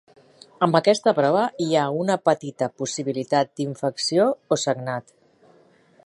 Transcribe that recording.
Amb aquesta prova hi ha una petita possibilitat d'infecció o sagnat.